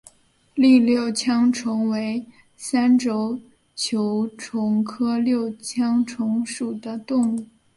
栗六枪虫为三轴球虫科六枪虫属的动物。